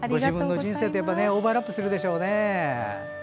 ご自分の人生とオーバーラップするでしょうね。